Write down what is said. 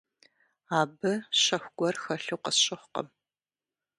Абы щэху гуэр хэлъу къысщыхъукъым.